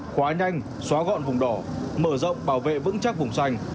khóa nhanh xóa gọn vùng đỏ mở rộng bảo vệ vững chắc vùng xanh